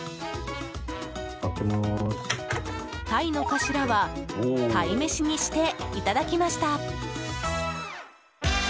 タイの頭は鯛めしにしていただきました。